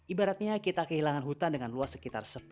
ibaratnya kita kehilangan hutan dengan luas sekitar